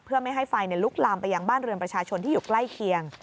เพื่อไม่ให้ไฟลุกลามไปยังบ้านเรือนประชาชนที่อยู่ใกล้เคียง